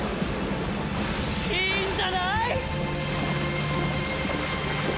いいんじゃない！